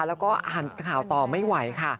แล้วก็อ่านข่าวต่อไม่ไหวค่ะ